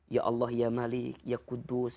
ya allah ya malik ya kudus